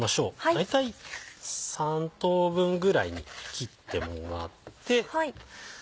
大体３等分ぐらいに切ってもらって。